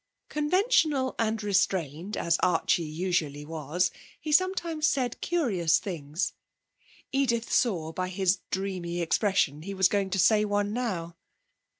Conventional and restrained as Archie usually was, he sometimes said curious things. Edith saw by his dreamy expression he was going to say one now.